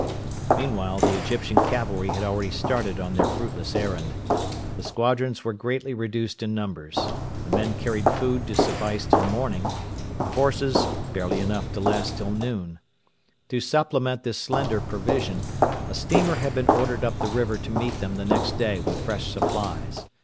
Meanwhile the Egyptian cavalry had already started on their fruitless errand. The squadrons were greatly reduced in numbers. The men carried food to suffice till morning, the horses barely enough to last till noon. To supplement this slender provision a steamer had been ordered up the river to meet them the next day with fresh supplies.